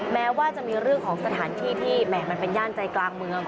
แม้ว่าจะมีเรื่องของสถานที่ที่แหม่มันเป็นย่านใจกลางเมือง